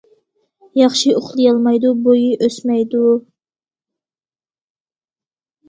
ياخشى ئۇخلىيالمايدۇ، بويى ئۆسمەيدۇ.